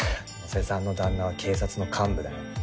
野瀬さんの旦那は警察の幹部だよ。